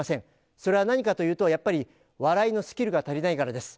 それは何かというと、やっぱり、笑いのスキルが足りないからです。